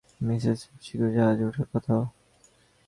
Mrs সেভিয়ারের শীঘ্রই জাহাজে ওঠার কথা।